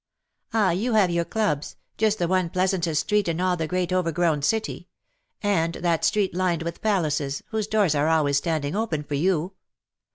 ^^'' Ah^ you have your clubs — just the one plea santest street in all the great overgrown city — and that street lined with palaces^ whose doors are always standing open for you.